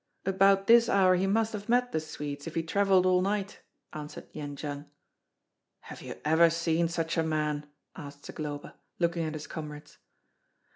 "About this hour he must have met the Swedes, if he travelled all night," answered Jendzian. "Have you ever seen such a man?" asked Zagloba, looking at his comrades.